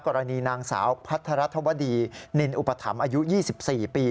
กรณีนางสาวพัทรธวดีนินอุปถัมภ์อายุ๒๔ปี